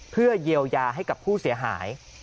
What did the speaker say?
เพื่อเยียวยาให้กับผู้เสียหาย